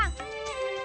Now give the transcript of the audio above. jahat si camb charged nya